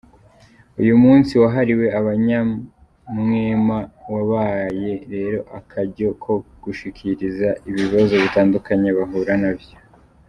Uyu munsi wahariwe abanyamwema wabaye rero akajyo ko gushikiriza ibibazo bitandukanye bahura navyo.